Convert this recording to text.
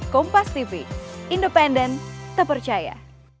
kompas tv independen terpercaya